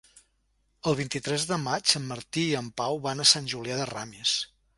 El vint-i-tres de maig en Martí i en Pau van a Sant Julià de Ramis.